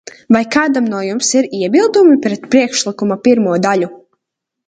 Vai kādam no jums ir iebildumi pret priekšlikuma pirmo daļu?